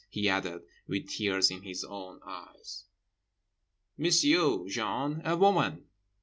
He added, with tears in his own eyes: "M'sieu' Jean, a woman."